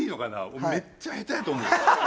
俺めっちゃ下手やと思う。